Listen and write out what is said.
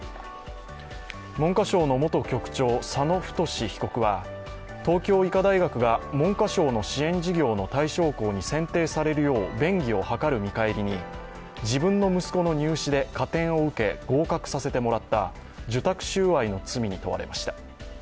文科省の元局長、佐野太被告は東京医科大学が文科省の支援事業の対象校に選定されるよう便宜を図る見返りに自分の息子の入試で加点を受け合格させてもらった受託収賄の罪に問われました。